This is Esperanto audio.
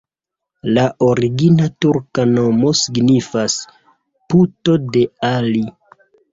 La origina turka nomo signifas: puto de Ali.